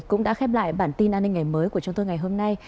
cũng đã khép lại bản tin an ninh ngày mới của chúng tôi ngày hôm nay